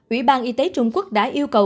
ủy ban y tế trung quốc đã yêu cầu